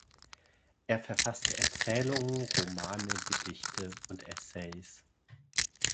Er verfasste Erzählungen, Romane, Gedichte und Essays.